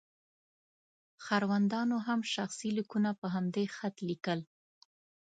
ښاروندانو هم شخصي لیکونه په همدې خط لیکل.